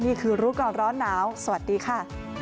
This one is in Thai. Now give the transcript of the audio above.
นี่คือรู้ก่อนร้อนหนาวสวัสดีค่ะ